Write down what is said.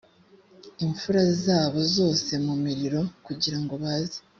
impfura zabo zose mu muriro kugira ngo baze